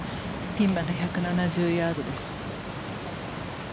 ピンまで１７０ヤードです。